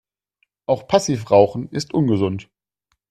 Auch Passivrauchen ist ungesund.